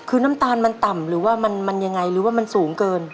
คือน้ำตาลมันต่ำหรือว่ามันยังไงหรือว่ามันสูงเกิน